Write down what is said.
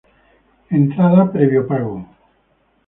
Entrada previo pago.